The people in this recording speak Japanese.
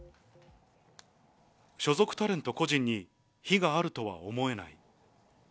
所属タレント個人に非があるとは思えない。